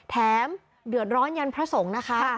เดือดร้อนยันพระสงฆ์นะคะ